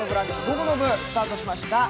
午後の部スタートしました。